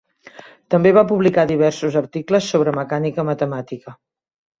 També va publicar diversos articles sobre mecànica matemàtica.